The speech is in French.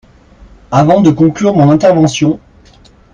Avant de conclure mon intervention